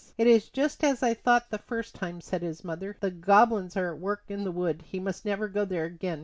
"It is just as I thought the first time," said his mother. "The goblins are at work in the wood. He must never go there again."